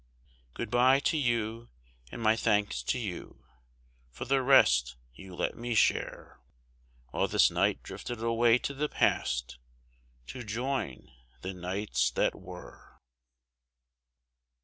Good bye to you, and my thanks to you, for the rest you let me share, While this night drifted away to the Past, to join the Nights that Were.